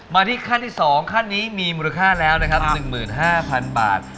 มาที่ขั้นที่๒ขั้นนี้มีมูลค่าแล้วนะครับ๑๕๐๐๐บาท